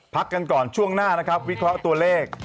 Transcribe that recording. พักกันก่อนช่วงหน้านะครับวิเคราะห์ตัวเลข